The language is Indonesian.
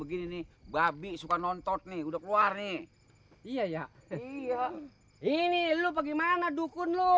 gini babi suka nonton nih udah keluar nih iya iya ini lu bagaimana dukun lo